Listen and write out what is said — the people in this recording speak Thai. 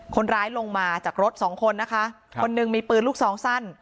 คนร้ายลงมาจากรถสองคนนะคะคนหนึ่งมีปืนลูกซองสั้น